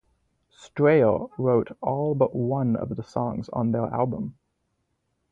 Strayer wrote all but one of the songs on their album.